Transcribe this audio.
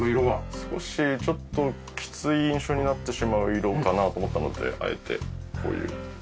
少しちょっときつい印象になってしまう色かなと思ったのであえてこういう色を入れてみました。